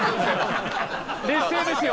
劣勢ですよ。